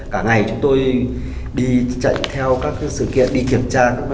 cả ngày chúng tôi đi chạy theo các sự kiện đi kiểm tra